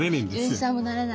純一さんもなれない？